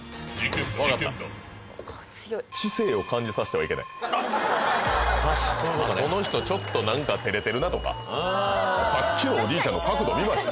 わかったこの人ちょっと何か照れてるなとかさっきのおじいちゃんの角度見ました？